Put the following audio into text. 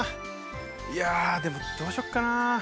いやでもどうしよっかな？